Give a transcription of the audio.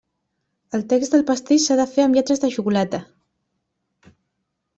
El text del pastís s'ha de fer amb lletres de xocolata.